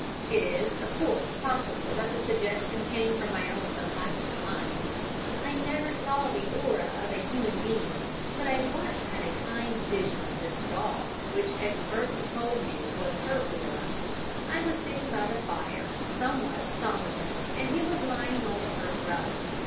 It is, of course, possible that the suggestion came from my own subconscious mind. I never saw the aura of a human being, but I once had a kind of vision of this dog, which experts have told me was her aura. I was sitting by the fire, somewhat somnolent, and he was lying on the hearthrug.